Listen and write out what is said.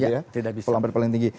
ya tidak bisa